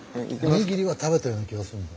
お握りは食べたような気がするの。